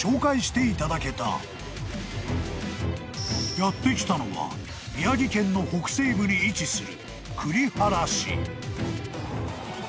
［やって来たのは宮城県の北西部に位置する］